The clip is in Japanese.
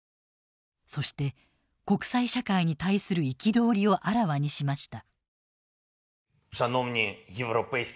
そして国際社会に対する憤りをあらわにしました。